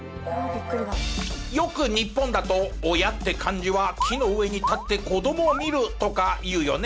よく日本だと「親」って漢字は「木の上に立って子どもを見る」とか言うよね。